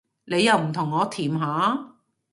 你又唔同我甜下